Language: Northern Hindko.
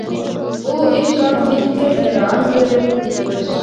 اُو اے کمّ دکھ کے حیران رہ ہوئے۔